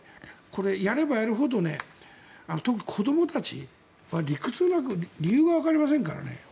これ、やればやるほど特に子どもたちは理屈なく理由がわかりませんからね。